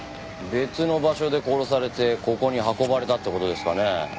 別の場所で殺されてここに運ばれたって事ですかね？